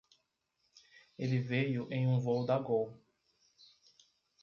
Ele veio em um voo da Gol.